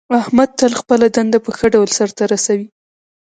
احمد تل خپله دنده په ښه ډول سرته رسوي.